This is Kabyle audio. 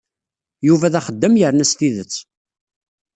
Yuba d axeddam yerna s tidet.